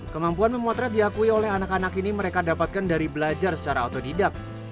kemampuan memotret diakui oleh anak anak ini mereka dapatkan dari belajar secara otodidak